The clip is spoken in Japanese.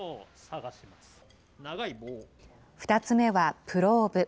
２つ目はプローブ。